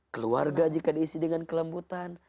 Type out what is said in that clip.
keluarga jika diisi dengan kelembutan